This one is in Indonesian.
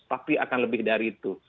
tapi akan lebih dari itu